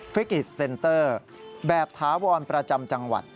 ฟิกิตเซ็นเตอร์แบบถาวรประจำจังหวัด